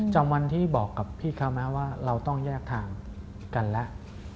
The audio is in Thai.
จำวันที่บอกกับพี่เขาไหมว่าเราต้องแยกทางกันแล้ว